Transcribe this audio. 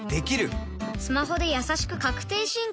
スマホでやさしく確定申告できます